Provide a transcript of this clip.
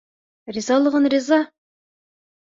Ризалығын риза.